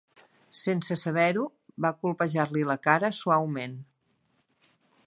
Sense saber-ho, va colpejar-li la cara suaument.